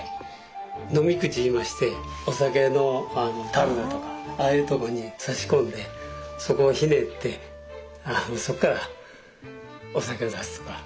呑口いいましてお酒のたるだとかああいうとこに差し込んでそこをひねってそこからお酒を出すとか。